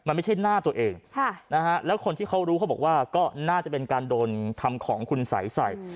มันไม่ใช่หน้าตัวเองแล้วคนที่เขารู้เขาบอกว่าก็น่าจะเป็นการโดนทำของคุณสัยใส่